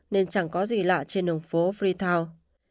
nên chẳng có gì lạ trên đường phố freetown